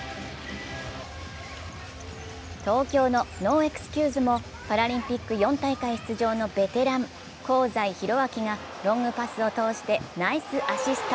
東京のＮＯＥＸＣＵＳＥもパラリンピック４大会出場のベテラン、香西宏昭がロングパスを通してナイスアシスト。